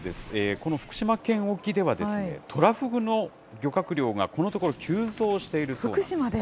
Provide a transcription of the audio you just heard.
この福島県沖では、トラフグの漁獲量がこのところ急増しているそうなんです。